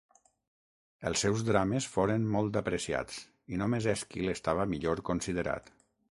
Els seus drames foren molt apreciats i només Èsquil estava millor considerat.